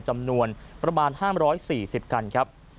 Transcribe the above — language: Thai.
จำนวนประมาณ๕๔๐คันครับ